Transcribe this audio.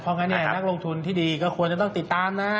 เพราะงั้นเนี่ยนักลงทุนที่ดีก็ควรจะต้องติดตามนะ